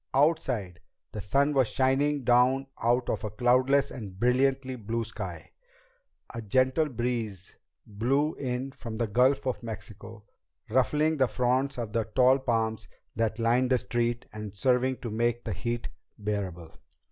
Outside, the sun was shining down out of a cloudless and brilliantly blue sky. A gentle breeze blew in from the Gulf of Mexico, ruffling the fronds of the tall palms that lined the streets and serving to make the heat bearable.